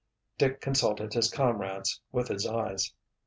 Dick consulted his comrades with his eyes.